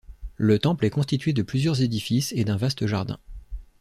Le temple est constitué de plusieurs édifices et d'un vaste jardin.